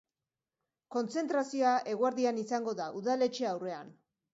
Kontzentrazioa eguerdian izango da, udaletxe aurrean.